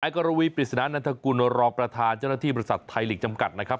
กรวีปริศนานันทกุลรองประธานเจ้าหน้าที่บริษัทไทยลีกจำกัดนะครับ